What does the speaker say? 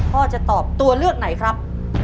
พ่อจะตอบตัวเลือกไหนครับ